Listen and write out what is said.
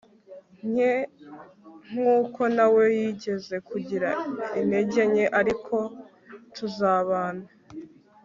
nke nk uko na we yigeze kugira intege nke ariko tuzabana